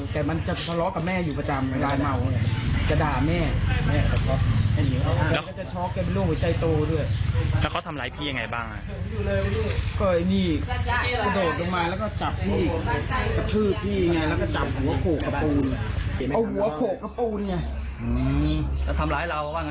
ก็บอกจะแทงมึงให้ตายจะแทงมึงให้ตาย